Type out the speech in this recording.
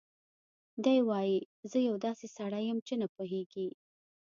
دی وايي: "زه یو داسې سړی یم چې نه پوهېږي